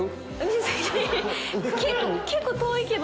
結構遠いけど。